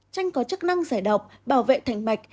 tranh có chức năng giải độc bảo vệ thành mạch